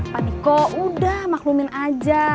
paniko udah maklumin aja